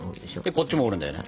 こっちも折るんだよね。